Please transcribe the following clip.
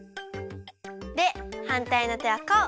ではんたいのてはこう！